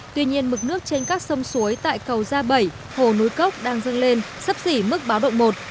tuy nhiên mực nước trên các sông suối tại cầu gia bảy hồ núi cốc đang dâng lên sấp xỉ mức báo động một